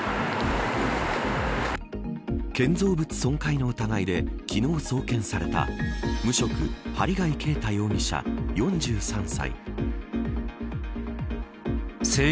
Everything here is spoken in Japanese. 建造物損壊の疑いで昨日、送検された無職、針谷啓太容疑者４３歳。